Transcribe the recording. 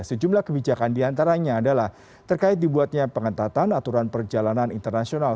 sejumlah kebijakan diantaranya adalah terkait dibuatnya pengentatan aturan perjalanan internasional